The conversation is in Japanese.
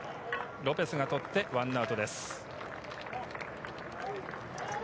ロペスが捕って１アウトです。